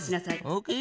オーケー。